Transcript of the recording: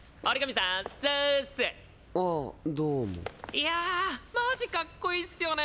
いやマジかっこいいスよね